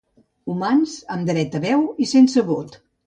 Humans, amb dret a veu i sense vot.